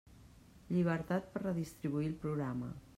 Llibertat per redistribuir el programa.